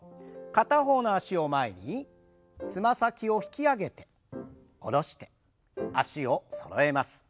片方の脚を前につま先を引き上げて下ろして脚をそろえます。